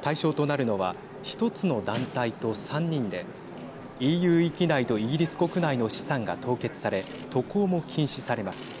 対象となるのは１つの団体と３人でＥＵ域内とイギリス国内の資産が凍結され渡航も禁止されます。